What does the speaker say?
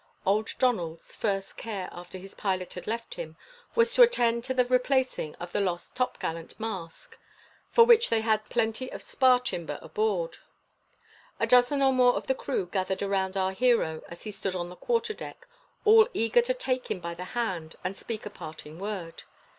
Old Donald's first care after his pilot had left him was to attend to the replacing of the lost topgallant mast, for which they had plenty of spar timber aboard. A dozen or more of the crew gathered around our hero as he stood on the quarterdeck, all eager to take him by the hand and speak a parting word.